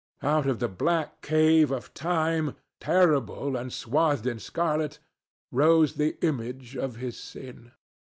Out of the black cave of time, terrible and swathed in scarlet, rose the image of his sin.